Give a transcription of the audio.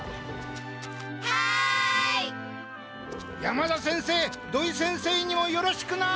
山田先生土井先生にもよろしくな！